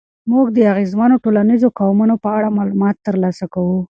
موږ د اغېزمنو ټولنیزو قوتونو په اړه معلومات ترلاسه کوو.